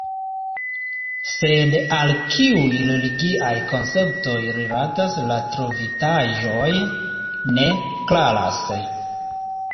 Sed al kiuj religiaj konceptoj rilatas la trovitaĵoj, ne klaras.